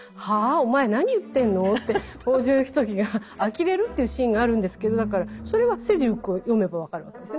お前何言ってんのって北条義時があきれるというシーンがあるんですけどそれはセジウィックを読めば分かるわけですね。